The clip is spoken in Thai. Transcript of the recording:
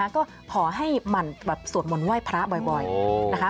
ก็ขอให้หมั่นสวดมนต์ไหว้พระบ่อยนะคะ